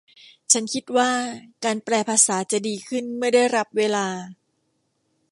ฉันคิดว่าการแปลภาษาจะดีขึ้นเมื่อได้รับเวลา